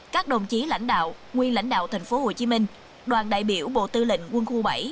các đồng chí lãnh đạo nguyên lãnh đạo tp hcm đoàn đại biểu bộ tư lệnh quân khu bảy